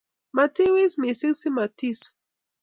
matiwis mising simatisuu